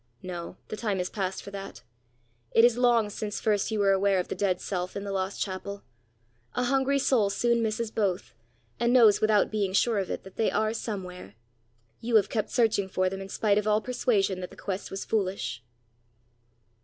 "No; the time is past for that. It is long since first you were aware of the dead self in the lost chapel; a hungry soul soon misses both, and knows, without being sure of it, that they are somewhere. You have kept searching for them in spite of all persuasion that the quest was foolish."